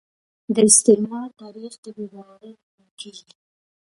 د استعمار تاریخ د بې باورۍ لامل کیږي